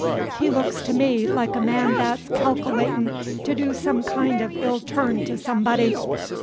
He looks to me like a man that's calc'latin' to do some kind of ill turn to somebody.